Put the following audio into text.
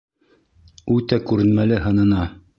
Үтә күренмәле һынына.